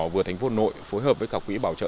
và vừa thành phố hà nội phối hợp với các quỹ bảo trợ